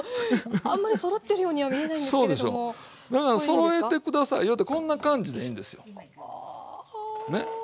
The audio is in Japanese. そろえて下さいよってこんな感じでいいんですよね。